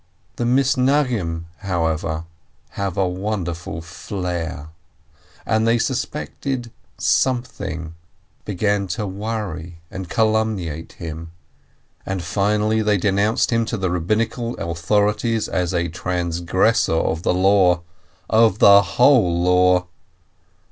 The Misnag dim, however, have a wonderful flair, and they suspected something, began to worry and calumniate him, and finally they denounced him to the Eabbinical authori ties as a transgressor of the Law, of the whole Law!